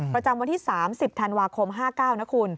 ประจำวันที่๓๐ธันวาคม๕๙นะคุณ